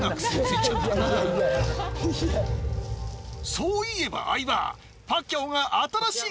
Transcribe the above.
そういえば相葉。